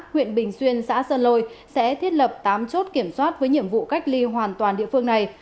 huyện bình xuyên xã sơn lôi sẽ thiết lập tám chốt kiểm soát với nhiệm vụ cách ly hoàn toàn địa phương này